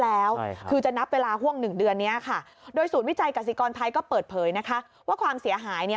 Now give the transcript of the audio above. แล้วคือจะนับเวลาห่วงหนึ่งเดือนนี้ค่ะโดยศูนย์วิจัยกษิกรไทยก็เปิดเผยนะคะว่าความเสียหาย